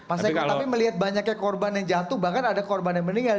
mas eko tapi melihat banyaknya korban yang jatuh bahkan ada korban yang meninggal